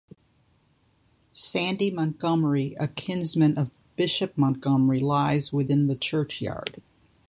Sandy Montgomery, a kinsman of Bishop Montgomery lies within the churchyard.